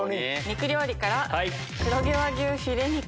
肉料理から。